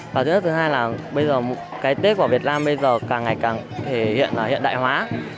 và thứ nhất thứ hai là bây giờ cái tết của việt nam bây giờ càng ngày càng thể hiện là hiện đại hóa